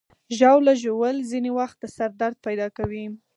ژاوله ژوول ځینې وخت د سر درد پیدا کوي.